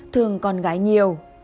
thương con gái nhiều